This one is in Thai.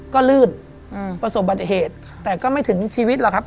ก็ลื่นประสบบัติเหตุแต่ก็ไม่ถึงชีวิตหรอกครับ